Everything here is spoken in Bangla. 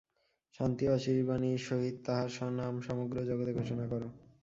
শান্তি ও আশীর্বাণীর সহিত তাঁহার নাম সমগ্র জগতে ঘোষণা কর।